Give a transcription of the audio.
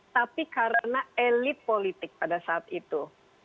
tapi karena elit politik pada saat itu